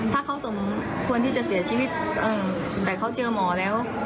ถ้าเขาสมควรที่จะเสียชีวิตแต่เขาเจอหมอแล้ว